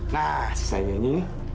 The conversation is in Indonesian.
nah selanjutnya ini